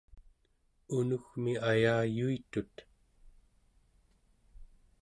unugmi ayayuitut